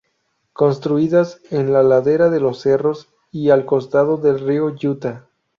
Construidas en la ladera de los cerros y al costado del río Lluta.